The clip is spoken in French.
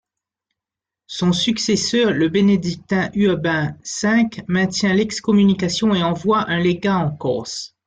Son successeur, le bénédictin Urbain V, maintient l'excommunication et envoie un légat en Corse.